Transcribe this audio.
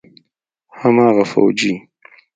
هماغه فوجي.